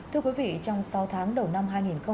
thưa quý vị trong sáu tháng đầu năm hai nghìn hai mươi ba